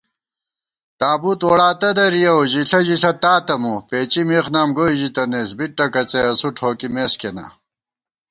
تابُوت ووڑاتہ دَرِیَؤ ژِݪہ ژِݪہ تاتہ مو * پېچی مېخ نام گوئی ژِتَنَئیس، بِت ٹکَڅئ اسُو ٹھوکِمېس کېنا